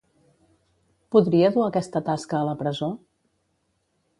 Podria dur aquesta tasca a la presó?